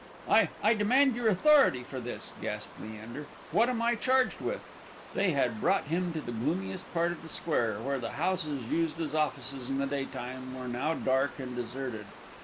"I I demand your authority for this," gasped Leander. "What am I charged with?" They had brought him into the gloomiest part of the square, where the houses, used as offices in the daytime, were now dark and deserted.